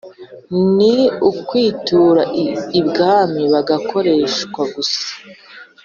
ni ukwitura ibwami bagakoreshwa gusa